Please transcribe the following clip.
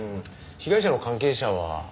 被害者の関係者は？